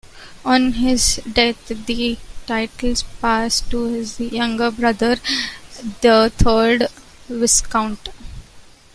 On his death the titles passed to his younger brother, the third Viscount.